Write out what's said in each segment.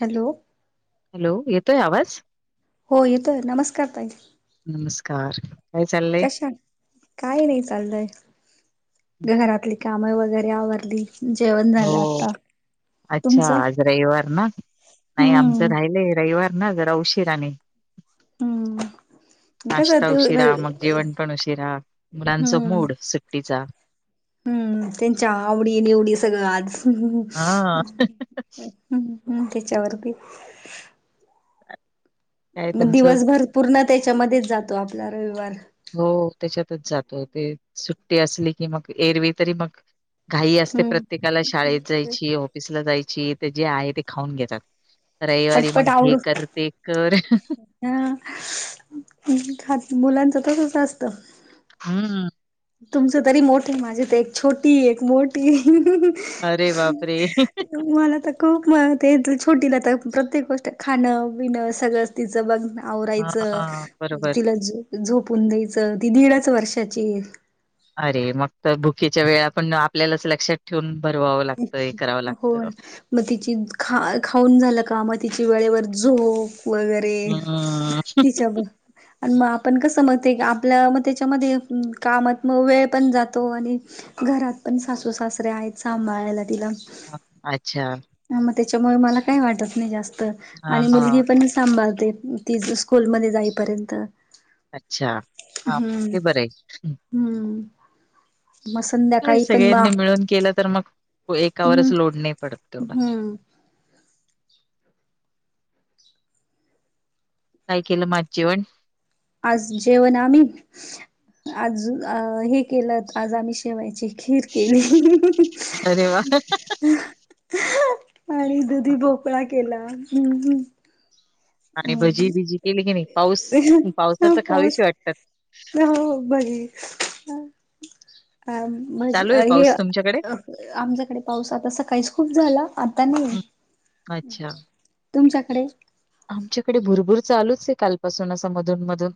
Hello, hello, येतोय आवाज? हो येतोय. नमस्कार ताई! नमस्कार काय चाललंय कशात? काही नाही. चाललंय, घरातली कामं वगैरे आवरली. जेवण हो झालं आता. अच्छा तुमचं आज रविवार ना. नाही आमचं हम्म राहिलंय. रविवार ना जरा उशिराने. हं. नाश्ता उशिरा, मग जेवण पण उशिरा. मुलांचा मूड सुट्टीचा. हं. त्यांच्या आवडी निवडी सगळं आज. हं हा हं, त्याच्यावरती. काय म तुमचं दिवसभर पूर्ण त्याच्यामध्येच जातो आपला रविवार. हो त्याच्यातच जातो ते सुट्टी असली की मग. एरवी तरी मग घाई असते हम्म प्रत्येकाला शाळेत जायची, ऑफिसला जायची. त जे आहे ते खाऊन घेतात. रइवारी मग हे कर ते कर. अं, हं खत मुलांच तसच असत. हं. तुमच तरी मोठे. माझी त एक छोटी एक मोठी. अरे बापरे! तूम्हाला त खूप म ते छोटीला आ तर प्रत्येक गोष्ट खाणं पिणं सगळंच तिचं बघण. आवरायचं हा बरोबर तिला झो-झोपून द्यायचं. ती दीडच वर्षाचीये. अरे मग तर भुकेच्या वेळा पण आपल्यालाच लक्षात ठेवून भरवावं लागतं, हे करावं लागत. म तिची खा-खाऊन झालं का म तिची वेळेवर झोप वैगरे हं, हां. ते तिच्या ब अन म आपण कसं म ते आपल्या म त्याच्यामध्ये कामात मग वेळ पण जातो आणि घरात पण सासू सासरे आहेत सांभाळायला तिला. हं, अच्छा! ह म त्याच्यामुळे मला काही वाटत नाही जास्त. आणि हां, मुलगी पण सांभाळते. ती स्कूलमध्ये जाईपर्यंत. अच्छा हा हम्म ते बरं आहे. हम्म मगं संध्या का सगळ्यांनी मिळून केलं तर मग हम्म एकावरच लोड नाही पडत तेवढा. हम्म काय केलं माज जेवण? आज जेवण आम्ही, आज हे केलं आज आम्ही शेवायचे खिर केली. अरे वाह! आणि हां, दूधी भोकळा केला हमं. आणि भजी -बिजी केली की नाही पाऊस पावसाच पाऊस खावेशी वाटतात. हो भज्जी, ह, मं, चालू आहे काय हे पाऊस तुमच्याकडे? आमच्याकडे पाऊस आता सकाळीच खूप झाला आता नाही. हं, अच्छा तुमच्याकडे? आमच्याकडे भुरभूर चालूच आहे कालपासून असं मधून -मधून.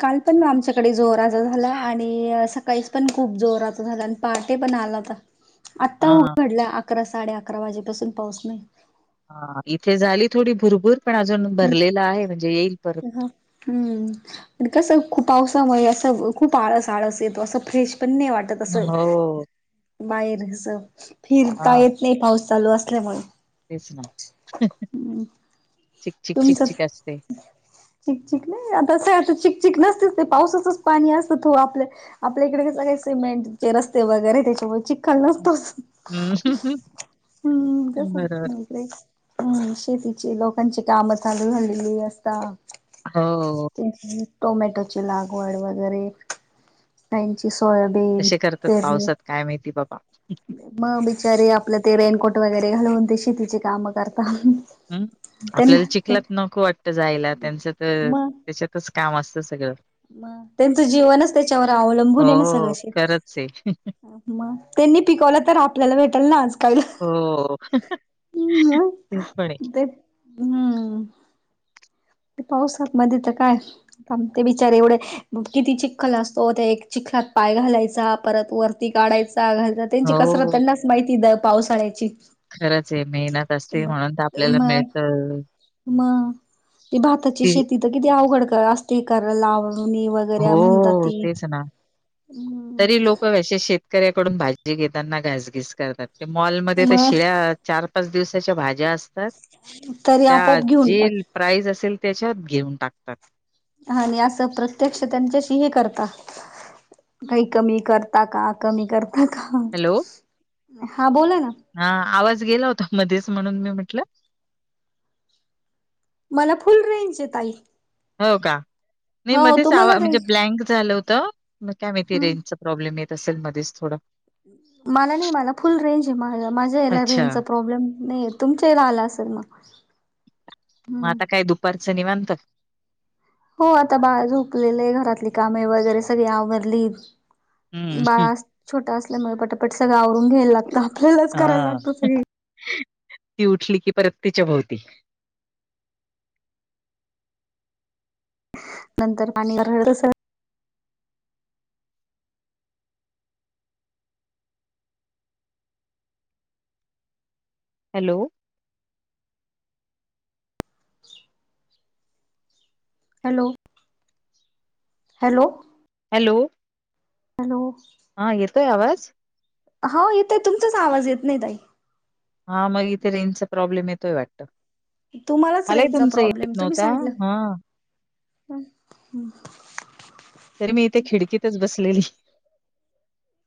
काल पण आमच्याकडे जोरात झाला आणि सकाळीच पण खूप जोरात झाला पहाटे पण आलाता. हा पडला. अकरा, साडे -अकरा वाजेपासून पाऊस नाही. हा इथे झाली थोडी भुरभूर पण अजून भरलेला आहे म्हणजे येईल पण. ह हम्म कसं खूप पावसामुळे असं खूप आळस- आळस येतो असं फ्रेश पण नाही वाटत. असं हो बाहेर कस फिरता येत नाही पाऊस चालू असल्यामुळे. तेस ना हम् तुमचचं चिक-चिक-चिक-चिक असते. चिकचिक नाही आता असं आता चिकचिक नसतेच ते पावसाचच पाणी असतं हो आपल्या आपल्या इकडे कसं काय सिमेंटचे रस्ते वगैरे त्याच्यामुळे चिक चिखल हं. नसतोच हम् कसक बरोबर. [unintelligible] हम्म, शेतीची लोकांची काम चालू झालेली असता हो. हमछ [unintelligible] टोमॅटोची लागवड वगैरे त्यांची सोय कसे करतात पावसात काय माहिती बाबा. मग बिचारे आपलं ते रेनकोट वगैरे घालवून ते शेतीचे कामं करतात. हम्, आपल्याला चिकलात नको वाटत जायला त्यांच तर त्याच्यातच काम असतं सगळं. म त्यांचं जीवनच त्याच्यावर अवलंबून आहे ना सगळं हो, शेत खरंच आहे. मग त्यांनी पिकवलं तर आपल्याला भेटाल ना आज काय हो. ह्, मं. ते पण आहे. ते हम्म. ते पाऊस होतं नाही तीत काय ते बिचार एवढ किती चिखल असतो त्या एक चिखलात पाय घालायचा परत वरती काढायचा घालत त्यांची कसरत हो, त्यांनाच माहिती द पावसाळ्याची. खरंच आहे मेहनत असते म्हणून तर आपल्याला म मिळत. म, ते भाताची शेती तर किती अवघड असते करायला लावणी वर्या म्हणतात हो, ती. तेच ना. तरी लोकं शेतकऱ्याकडून भाजी घेताना घासगीस करतात ते मॉलमध्ये तर मग शिळ्या चार पाच दिवसाच्या भाज्या असतात तरी त्या आपोआप घेऊन जे टाक प्राईज असेल त्याच्यात घेऊन टाकतात. आणि असं प्रत्यक्ष त्यांच्याशी हे करता काही कमी करता का कमी करता का हॅलो हा बोला ना हा आवाज गेला होता मध्येच म्हणून मी म्हटलं मला फुल रेंज आहे ताई हो का नाही हो मध्येच तुम्हाला म्हणजे रेंज ब्लँक झालं होतं. मग काय माहिती रेंजचा प्रॉब्लेम येत असेल मध्येच थोडा मला नाही मला फुल रेंज आहे मा माझ्या याला अच्छा रेंजचा प्रॉब्लेम नाही येत. तुमच्याला आला असेल मग मग हम्म आता काय दुपारचं निवांत? हो आता बाळ झोपलेले आहे घरातली कामे वगैरे सगळी आवरली. हम्म बाळा छोटा असल्यामुळे पटापट सगळं आवरून घ्यायला लागतं आपल्यालाच करायला हा. लागतो सगळं. ती उठली की परत तिच्या भोवती नंतर पाणी हॅलो ह हॅलो हॅलो हॅलो हॅलो हा येतोय आवाज? हो येतोय तुमचाच आवाज येत नाही ताई हा मग इथे रेंजचा प्रॉब्लेम येतोय वाटतं तुम्हालाच मलाही रेंजचा तुमचा येत प्रॉब्लेम तुम्ही नव्हता सांगलं हा तरी मी इथे खिडकीतच बसलेली.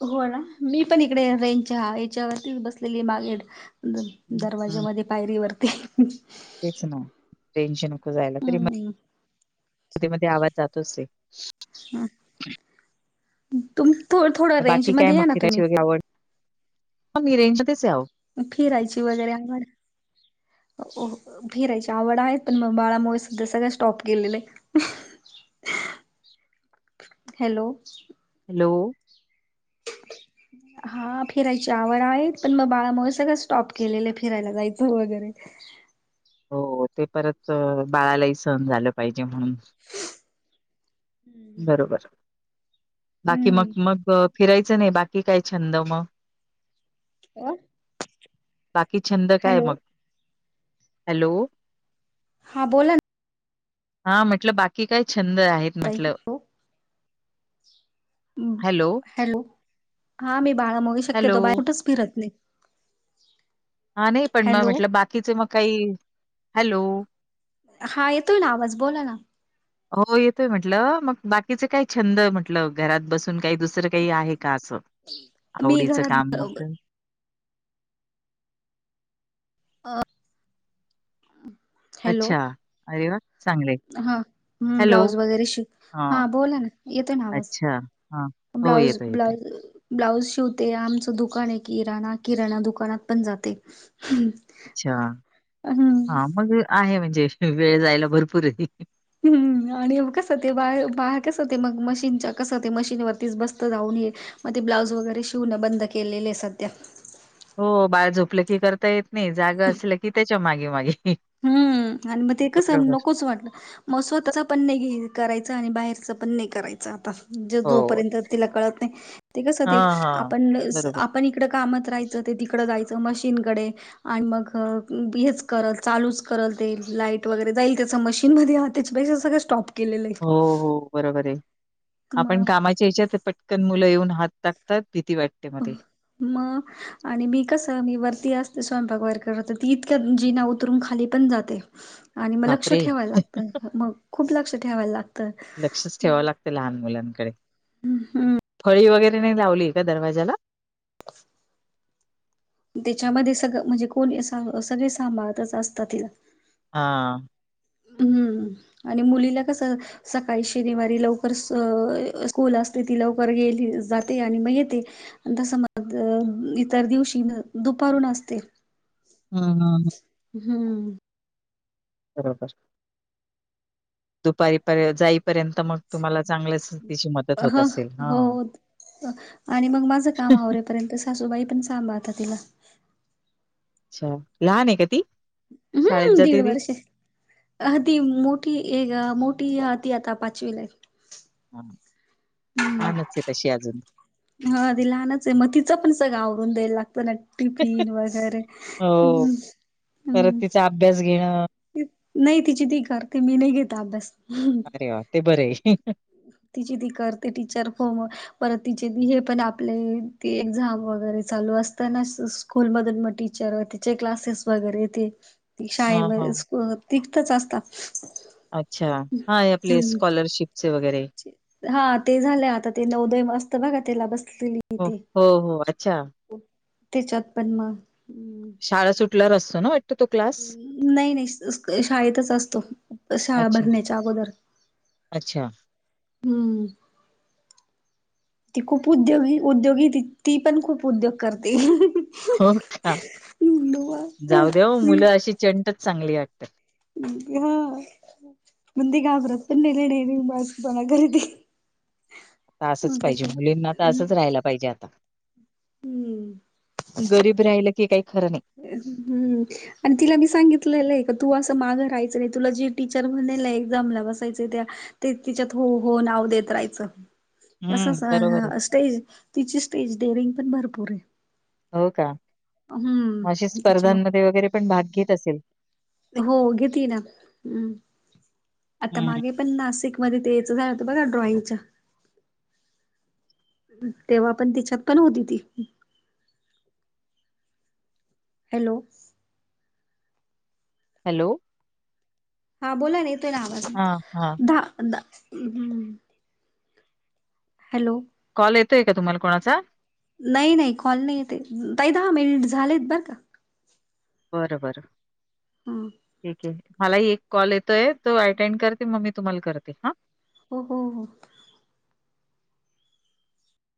हो ना मी पण इकडे रेंच ह याच्यावरतीच बसलेली मागे हम्म. दरवाज्यामध्ये पायरी वरती तेच ना टेन्शनकं जायला तरी पण हम्म मध्ये मध्ये आवाज जातोच आहे. हम्म तुम थोड रेंज बाकी काय मध्ये या ना तुम्ही हा मी रेज मध्येच आहे आहो फिरायची वगैरे आवड फिरायची आवड आहे पण मग बाळामुळे सुद्धा सगळं स्टॉप केलेलं आहे. हॅलो हॅलो ह हा फिरायची आवड आहे पण मग बाळामुळे सगळं स्टॉप केलेलं फिरायला जायचं वगैरे. हो ते परत बाळालाही सहन झालं पाहिजे म्हणून. बरोबर बाकी मग हम्म मग फिरायचं नाही बाकी काय छंद मग? ह बाकी छंद काय मग हॅलो? हां बोला ना हा म्हटलं बाकी काय छंद आहेत. का म्हटलं? हो? हॅलो, हॅलो हा मी बाळा मोगू शक्य हॅलो. तो बा कुठच फिरतली हा नाही पण मग म्हटलं बाकीच मग काही हॅलो. हा येतोय ना आवाज बोला ना. हो येतोय म्हटलं मग बाकीच काही छंद म्हटलं घरात बसून काही दुसरं काही आहे का असं. मी आवडीचं घरात काम मग अ अच्छा अरे वा चांगले. हाम ब्लाऊज वगैरे शिक हा हां. बोला ना येतोय ना आवाज. अच्छा. हां. हो, ब्लाऊज येतोय, येतोय. ब्लाऊज. ब्लाऊज शिवते आमचं दुकान आहे किराणा किराणा दुकानात पण जाते. अच्छा हम्म हा मग आहे म्हणजे वेळ जायला भरपूर. हम्म. आणि कसं ते बाहे बाहेर कसं हो ते मग मशीनच्या कसं होते मशीन वरतीच बस्त जाऊन ये. मग ते ब्लाऊज वगैरे शिवणं बंद केलेले सध्या हो बाळ झोपलं की करता येत नाही जाग असलं की त्याच्या मागे मागे. हम् आणि मग ते कस नको. वाट मग स्वतःच पण नाही करायचं आणि बाहेरच पण नाही करायचं आता. हो. जोपर्यंत तिला कळत नाही ते कसं ते हां, हां. आपण बरोबर. आपण. तिकडं कामत राहायचं ते तिकडं जायचं मशीनकडे आणि मग हेच करत. चालूच करत येईल लाईट वगैरे जाईल त्याच मशीन मध्ये त्याच्यापेक्षा सगळ स्टॉप केलेलं आहे. हो, हो बरोबर आहे मग आपण कामाच्या याच्यात पटकन मुलं येऊन हात टाकतात भीती वाटते. मग अ ते. म. आणि मी कसं मी वरती असते स्वयंपाक वयरकर तर ती इतक्या जिना उतरून खाली पण जाते. आणि मग लक्ष बापरे! ठेवायला लागत मग खूप लक्ष ठेवायला लागतं. चेवा लाग. लहान मुलांकडे. हम् हम्म. फळी वगैरे नाही लावली का दरवाज्याला. त्याच्यामध्ये सगळं म्हणजे कोण सगळे सांभळच असतात तिला. हा. हम्म आणि मुलीला कसं. सकाळी शनिवारी लवकर स्कूल असते ती लवकर गेली जाते आणि मग येते. तसं म इतर दिवशी दुपारून असते. हा हा ह. हम्म. बरोबर. दुपारीपर्य जाईपर्यंत मग तुम्हाला चांगलंच. तिची मदत होत ह असेल. हो हां. आणि मग माझं काम आव्यापर्यंत. सासूबाई पण सांभाळता तिला. अच्छा लहान आहे का ती. शाळेत हम्म जाते दीड ती? वर्षे. अ ती मोठी एक मोठी ती आता पाचवी लाई हा हा नचते तशी अजून ह ती लहानच आहे मग तिचं पण सगळं आवरून द्यायला लागत ना. टिफन वगैरे हो हम्म, परत हम्म. तिचा अभ्यास घेणं नाही तिची ती करते मी नाही घेेत अभ्यास. अरे वा ते बर हे. तिची ती करते टीचर फ परत तिचे हे पण आपले एक्झाम वगैरे चालू असताना. स्कूल मधून मग टीचर तिचे क्लासेस वगैरे ते. ती हां, हां. शाळेमध्ये तिथतच असतात. अच्छा हाय आपले हम्म स्कॉलरशिपस वगैरे. हा ते झाले आता ते नवदय असतन बघा त्याला बसलेली. हो, ते हो, हो, अच्छा. त्याच्यात पण मग शाळा सुटल्यार असतोना? नाही, नाही शाळेतच असतो शाळा अच्छा, भरण्याच्या अगोदर अच्छा. हम्म.. ती खूप उद्योगी, उद्योगी ती पण खूप उद्योग करते. हो का जाऊ देऊ मुलं अशी चंटच चांगली वाटतात. हा.. पण ती घाबरत पण नाही लय डेरिंगबाजपणा करती. तर असंच पाहिजे मुलींना तर असं राहिला पाहिजे आता हम्म गरीब राहिलं की काही खरं नाही. हम्म. आणि तिला मी सांगितलेलं आहे का तू असं मागं राहायचं नाही तुला जी टीचर म्हणेलना एक्झामला बसायचं त्या ते तिच्यात हो, हो नाव देत राहायच. कस हं, बरोबर आहे. स्टेज तिची स्टेज डेअरिंग पण भरपूर आहे. हो का हम्म त्याच्यामुळं स्पर्धांमध्ये वगैरे पण भाग घेत असेल? हो घेतीना हम्म आता हं. मागे पण नासिकमध्ये तेच झाल होत बघा ड्रॉइंगच्या तेव्हा पण तिच्यात पण होती ती. Hello.. hello. हा बोला ना येतोय ना आवाजात हां, हां. दहा, द हॅलो. कॉल येतोय का तुम्हाला कोणाचा? नाही, नाही कॉल नाही येत हे ताई दहा मिनिट झालेत बरं का. बर, बर हा ठीक आहे मलाही एक कॉल येतोय तो अटेंड करते मग मी तुम्हाला करते हा. हो, हो, हो.